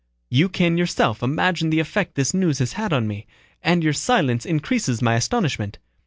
You can yourself imagine the effect this news has had on me, and your silence increases my astonishment.